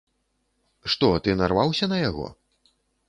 Што, ты нарваўся на яго?